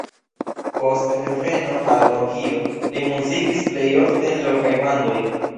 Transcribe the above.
Post reveno al Ohio li muzikis plejofte en lokaj bandoj.